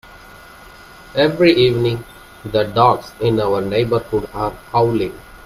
Every evening, the dogs in our neighbourhood are howling.